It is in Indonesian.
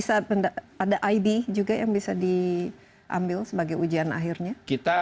ada id juga yang bisa diambil sebagai ujian akhirnya